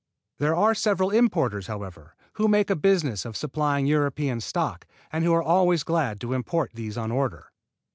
There are several importers, however, who make a business of supplying European stock and who are always glad to import these on order.